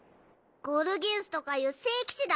ゴルギウスとかいう聖騎士だ。